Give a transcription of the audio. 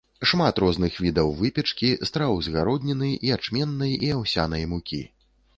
Шмат розных відаў выпечкі, страў з гародніны, ячменнай і аўсянай мукі.